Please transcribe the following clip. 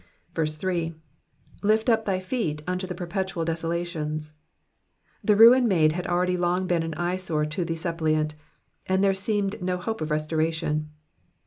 3. ^^Lift up thy feet unto the perpetual desolations, '^ The ruin made had already long been an eyesore to the suppliant, and there seemed no hope of restoration.